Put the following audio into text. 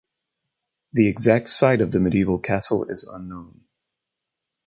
The exact site of the medieval castle is unknown.